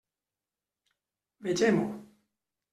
Vegem-ho.